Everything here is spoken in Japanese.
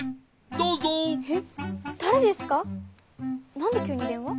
なんできゅうにでんわ？